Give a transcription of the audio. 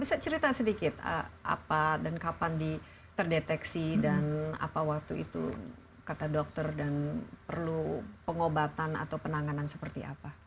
bisa cerita sedikit apa dan kapan terdeteksi dan apa waktu itu kata dokter dan perlu pengobatan atau penanganan seperti apa